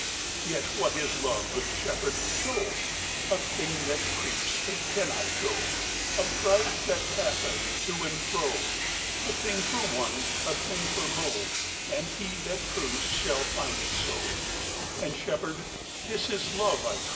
"Yet what is love? good shepherd, show!" A thing that creeps, it cannot go, A prize that passeth to and fro, A thing for one, a thing for moe; And he that proves shall find it so; And, shepherd, this is love, I trow.